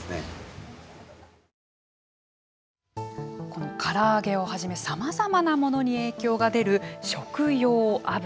このから揚げをはじめさまざまなものに影響が出る食用油。